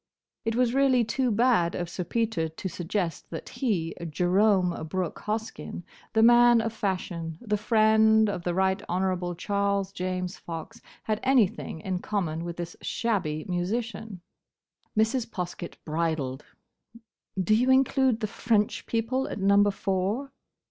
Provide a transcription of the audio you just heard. It was really too bad of Sir Peter to suggest that he, Jerome Brooke Hoskyn, the Man of Fashion, the friend of the Right Honourable Charles James Fox, had anything in common with this shabby musician. Mrs. Poskett bridled. "Do you include the French people at Number Four?"